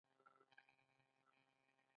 دا ښار د خرسونو پلازمینه ده.